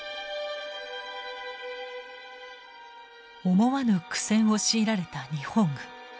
思わぬ苦戦を強いられた日本軍。